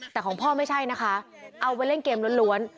แต่ของพ่อไม่ใช่นะคะเอาไว้เล่นเกมล้วน